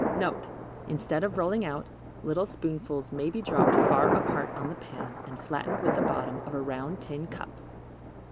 NOTE. Instead of rolling out, little spoonfuls may be dropped far apart on the pan and flattened with the bottom of a round tin cup.